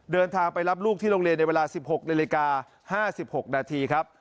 เดินทางไปรับลูกที่โรงเรียนในเวลา๑๖นาฬิกา๕๖นาทีครับ